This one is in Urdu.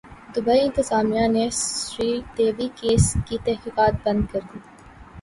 دبئی انتظامیہ نے سری دیوی کیس کی تحقیقات بند کردی